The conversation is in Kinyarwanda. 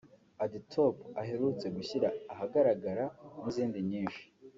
‘AdiTop’ aherutse gushyira ahagaragara n’izindi nyinshi